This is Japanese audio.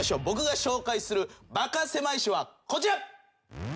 僕が紹介するバカせまい史はこちら！